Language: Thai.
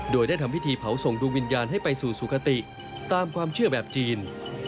โดยได้ทำพิธีเผาส่งดวงวิญญาณให้ไปสู่สุขติตามความเชื่อแบบจีน